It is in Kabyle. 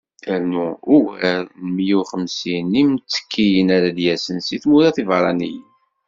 Rnu ɣer wugar n miyya u xemsin n yimttekkiyen ara d-yasen seg tmura tiberraniyin.